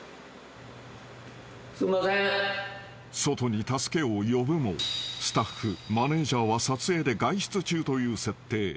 ［外に助けを呼ぶもスタッフマネジャーは撮影で外出中という設定］